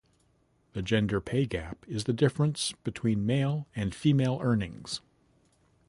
The gender pay gap is the difference between male and female earnings.